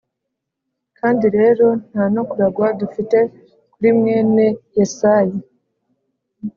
Kandi rero nta no kuragwa dufite kuri mwene Yesayi